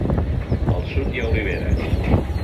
Al sud hi ha oliveres.